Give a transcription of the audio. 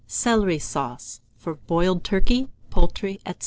CELERY SAUCE, FOR BOILED TURKEY, POULTRY, &c.